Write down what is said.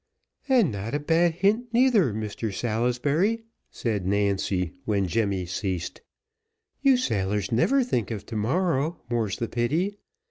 "And not a bad hint, neither, Mr Salisbury," said Nancy, when Jemmy ceased. "You sailors never think of to morrow, more's the pity.